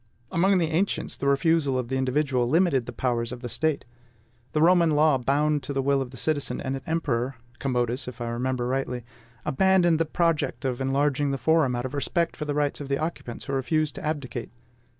Among the ancients, the refusal of the individual limited the powers of the State. The Roman law bowed to the will of the citizen, and an emperor Commodus, if I remember rightly abandoned the project of enlarging the forum out of respect for the rights of the occupants who refused to abdicate.